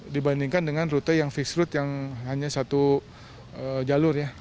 dibandingkan dengan rute yang fixed road yang hanya satu jalur ya